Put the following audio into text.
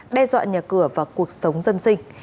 đe dọa nhà cửa và cuộc sống dân sinh